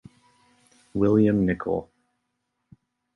William Nicol.